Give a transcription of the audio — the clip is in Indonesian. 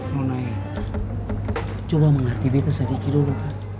nona ya coba menghati bete sedikit dulu